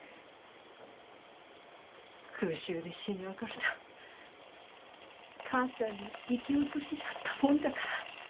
空襲で死に別れた母ちゃんに生き写しじゃったもんじゃから。